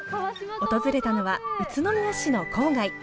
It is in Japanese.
訪れたのは宇都宮市の郊外。